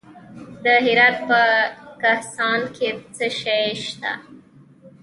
د هرات په کهسان کې څه شی شته؟